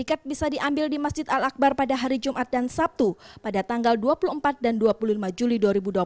ikat bisa diambil di masjid al akbar pada hari jumat dan sabtu pada tanggal dua puluh empat dan dua puluh lima juli dua ribu dua puluh satu